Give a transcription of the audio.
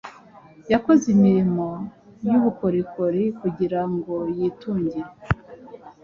yakoze imirimo y’ubukorikori kugira ngo yitunge.